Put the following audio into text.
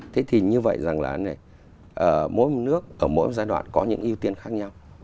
thế thì như vậy rằng là ở mỗi nước ở mỗi giai đoạn có những ưu tiên khác nhau